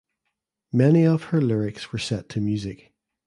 Many of her lyrics were set to music.